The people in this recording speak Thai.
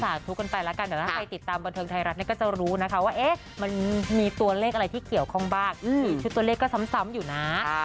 ถ้าใครติดตามบนเทิงไทยรัฐก็จะรู้นะคะว่ามีตัวเลขอะไรที่เกี่ยวของบ้างชื่อตัวเลขก็ซ้ำอยู่นะ